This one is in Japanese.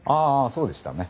そうでしたね。